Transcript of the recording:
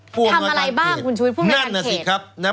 ทำอะไรบ้างคุณชุวิตผู้อำนวยการเขต